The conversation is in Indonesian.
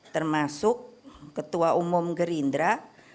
termasuk ketua umum gerindra